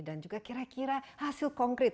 dan juga kira kira hasil konkret